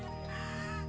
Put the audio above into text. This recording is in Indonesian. benang ya orang